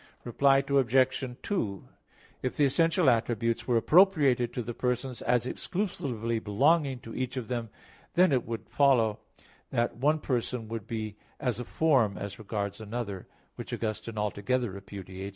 Reply Obj. 2: If the essential attributes were appropriated to the persons as exclusively belonging to each of them, then it would follow that one person would be as a form as regards another; which Augustine altogether repudiates (De Trin.